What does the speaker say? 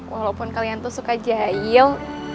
walaupun kalian tuh suka jahil